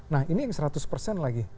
nah ini yang seratus persen lagi